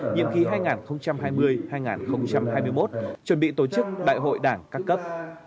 nhiệm kỳ hai nghìn hai mươi hai nghìn hai mươi một chuẩn bị tổ chức đại hội đảng các cấp